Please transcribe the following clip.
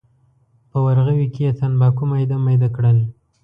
په ورغوي کې یې تنباکو میده میده کړل.